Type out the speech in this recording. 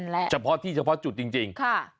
นั่นแหละค่ะนั่นแหละค่ะค่ะค่ะค่ะค่ะ